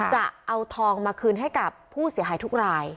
จะเอาทองมาคืนให้กับผู้เสียหายทุกราย